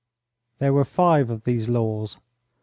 There were five of these laws.